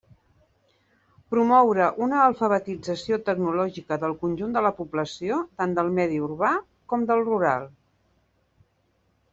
Promoure una alfabetització tecnològica del conjunt de la població, tant del medi urbà com del rural.